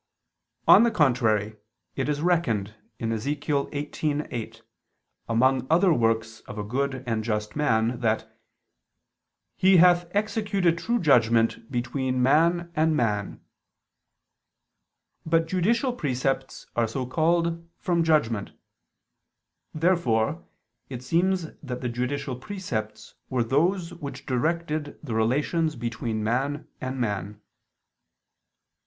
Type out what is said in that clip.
On the contrary, It is reckoned (Ezech. 18:8) among other works of a good and just man, that "he hath executed true judgment between man and man." But judicial precepts are so called from "judgment." Therefore it seems that the judicial precepts were those which directed the relations between man and man.